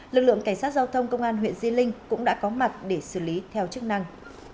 lực lượng cảnh sát giao thông công an huyện di linh cũng đã có mặt để xử lý theo chức năng